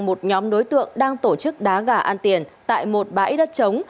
một nhóm đối tượng đang tổ chức đá gà an tiền tại một bãi đất trống